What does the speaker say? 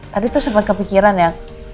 tadi tuh sempat kepikiran ya